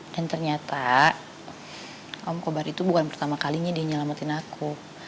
dan ternyata om kobar itu bukan pertama kalinya dia nyelamatin aku